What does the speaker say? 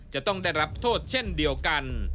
จะต้องได้รับโทษเช่นเดียวกัน